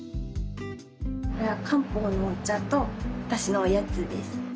これは漢方のお茶と私のおやつです。